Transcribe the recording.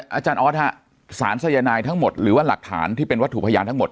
อาจารย์ออสฮะสารสายนายทั้งหมดหรือว่าหลักฐานที่เป็นวัตถุพยานทั้งหมด